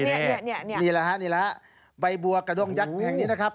นี่แหละฮะนี่แหละใบบัวกระด้งยักษ์แห่งนี้นะครับ